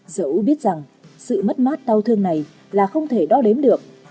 dẫu biết rằng sự mất mắt tàu thương này là không thể đo đếm được